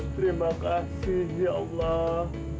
terima kasih ya allah